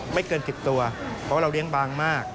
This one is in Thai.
ไม่เกิน๑๐ตัวเพราะว่าเราเลี้ยงบางมาก